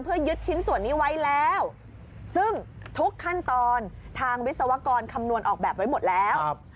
เพื่อยึดชิ้นส่วนนี้ไว้แล้วซึ่งทุกขั้นตอนทางวิศวกรคำนวณออกแบบไว้หมดแล้ว